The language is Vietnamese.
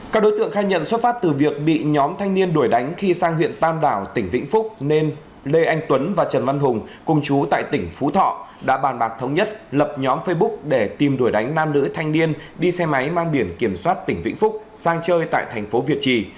các đối tượng khai nhận xuất phát từ việc bị nhóm thanh niên đuổi đánh khi sang huyện tam đảo tỉnh vĩnh phúc nên lê anh tuấn và trần văn hùng cùng chú tại tỉnh phú thọ đã bàn bạc thống nhất lập nhóm facebook để tìm đuổi đánh nam nữ thanh niên đi xe máy mang biển kiểm soát tỉnh vĩnh phúc sang chơi tại thành phố việt trì